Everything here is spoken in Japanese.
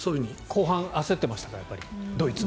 後半、焦ってましたかドイツ。